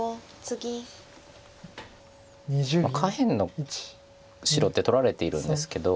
下辺の白って取られているんですけど。